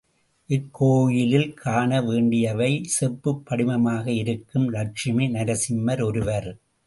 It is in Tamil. இக் கோயிலில் காண வேண்டியவை செப்புப் படிமமாக இருக்கும் லக்ஷ்மி நரசிம்மர் ஒருவர்.